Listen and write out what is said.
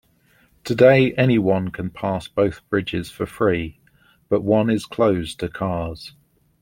Today, anyone can pass both bridges for free, but one is closed to cars.